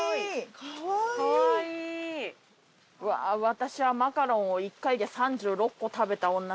私はマカロンを１回で３６個食べた女です。